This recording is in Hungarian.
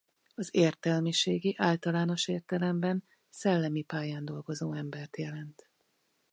Az értelmiségi általános értelemben szellemi pályán dolgozó embert jelent.